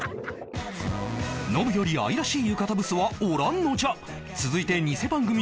「ノブより愛らしい浴衣ブスはおらんのじゃ！！」